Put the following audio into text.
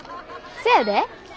そやで。